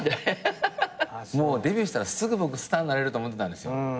もうデビューしたらすぐ僕スターになれると思ってたんです。